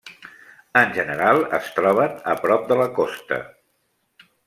En general, es troben a prop de la costa.